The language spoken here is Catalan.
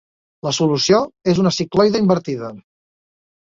La solució és una cicloide invertida.